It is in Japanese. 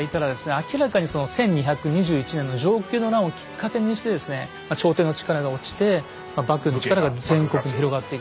明らかにその１２２１年の承久の乱をきっかけにしてですね朝廷の力が落ちて幕府の力が全国に広がっている。